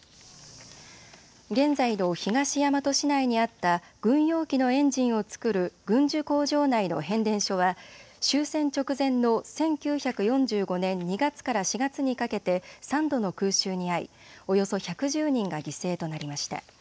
現在の東大和市内にあった軍用機のエンジンを作る軍需工場内の変電所は終戦直前の１９４５年２月から４月にかけて３度の空襲にあい、およそ１１０人が犠牲となりました。